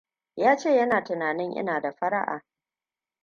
Ya ce yana tunanin ina da fara'a.